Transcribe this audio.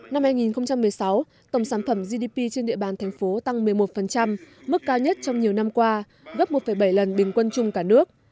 năm hai nghìn một mươi sáu tổng sản phẩm gdp trên địa bàn thành phố tăng một mươi một mức cao nhất trong nhiều năm qua gấp một bảy lần bình quân chung cả nước